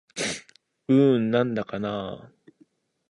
うーん、なんだかなぁ